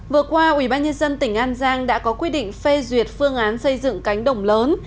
vừa qua ủy ban nhân dân tỉnh an giang đã có quyết định phê duyệt phương án xây dựng cánh đồng lớn